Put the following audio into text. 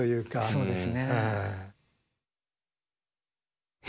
そうですね。